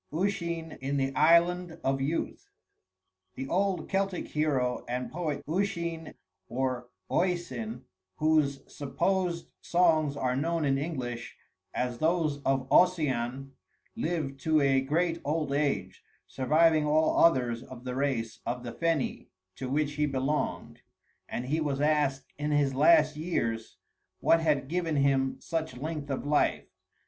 IV USHEEN IN THE ISLAND OF YOUTH The old Celtic hero and poet Usheen or Oisin, whose supposed songs are known in English as those of Ossian, lived to a great old age, surviving all others of the race of the Feni, to which he belonged; and he was asked in his last years what had given him such length of life.